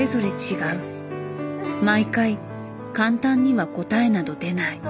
毎回簡単には答えなど出ない。